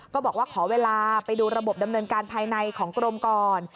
ก็บอกว่าขอเวลาไปดูระบบดำเนินการภายในของกรมก่อน